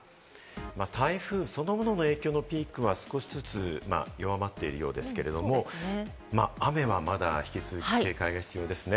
台風そのものの影響のピークは少しずつ弱まっているようですけれども、雨は引き続き警戒が必要ですね。